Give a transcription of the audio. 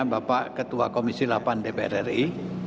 bapak ketua komisi delapan dpr ri